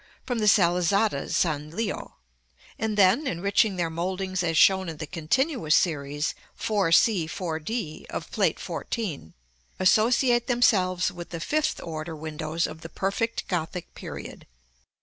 from the Salizada San Liò; and then, enriching their mouldings as shown in the continuous series 4 c, 4 d, of Plate XIV., associate themselves with the fifth order windows of the perfect Gothic period.